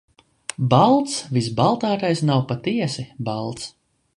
Balts visbaltākais nav patiesi balts.